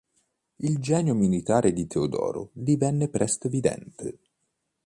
Il genio militare di Teodoro divenne presto evidente.